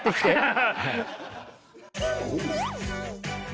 ハハハ。